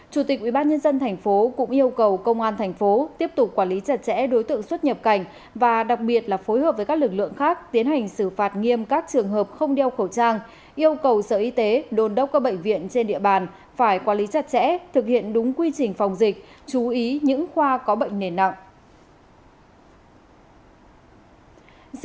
chủ tịch ubnd tp cũng yêu cầu công an thành phố tiếp tục quản lý chặt chẽ đối tượng xuất nhập cảnh và đặc biệt là phối hợp với các lực lượng khác tiến hành xử phạt nghiêm các trường hợp không đeo khẩu trang yêu cầu sở y tế đồn đốc các bệnh viện trên địa bàn phải quản lý chặt chẽ thực hiện đúng quy trình phòng dịch chú ý những khoa có bệnh nền nặng